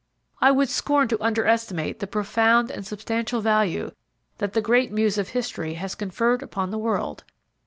I would scorn to underestimate the profound and substantial value that the great muse of History has conferred upon the world.